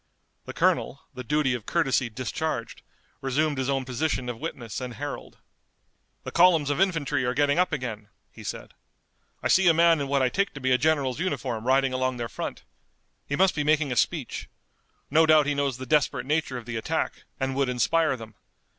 The colonel, the duty of courtesy discharged, resumed his own position of witness and herald. "The columns of infantry are getting up again," he said. "I see a man in what I take to be a general's uniform riding along their front. He must be making a speech. No doubt he knows the desperate nature of the attack, and would inspire them.